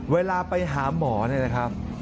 เวลาไปหาหมอเนี่ยนะครับ